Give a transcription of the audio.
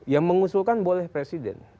yang mengusulkan boleh presiden